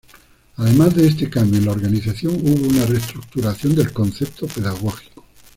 Además de este cambio en la organización, hubo una reestructuración del concepto pedagógico.